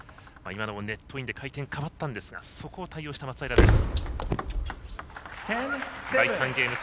今のも、ネットインで回転が変わったんですがそこを対応した松平。